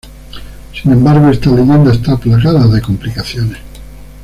Sin embargo esta leyenda está plagada de complicaciones.